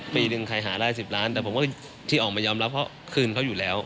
ปีหนึ่งใครหาได้๑๐ล้านแต่ผมก็ที่ออกมายอมรับเพราะคืนเขาอยู่แล้ว